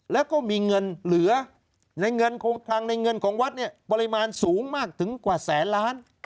แล้วก็มีเงินเหลือทางในเงินของวัดปริมาณสูงมากถึงกว่าแสนล้าน